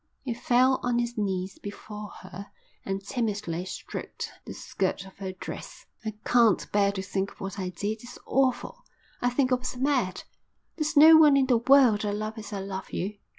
He fell on his knees before her and timidly stroked the skirt of her dress. "I can't bear to think of what I did. It's awful. I think I was mad. There's no one in the world I love as I love you.